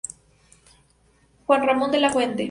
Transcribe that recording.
Juan Ramón de la Fuente.